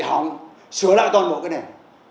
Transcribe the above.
khi không sửa lại toàn bộ cái nền